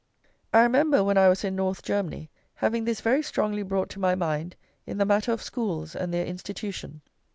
I remember, when I was in North Germany, having this very strongly brought to my mind in the matter of schools and their institution.